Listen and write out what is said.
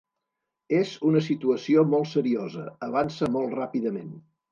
És una situació molt seriosa, avança molt ràpidament.